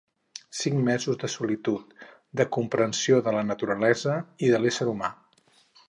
Cinc mesos de solitud, de comprensió de la naturalesa i de l'ésser humà.